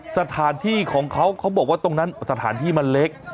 สถานที่ของเขาเขาบอกว่าตรงนั้นสถานที่มันเล็ก